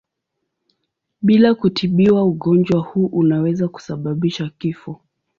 Bila kutibiwa ugonjwa huu unaweza kusababisha kifo.